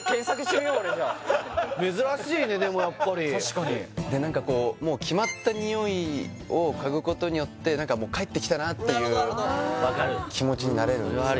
珍しいねでもやっぱり確かになんかこう決まった匂いをかぐことによって帰ってきたなっていう分かる気持ちになれるんですよね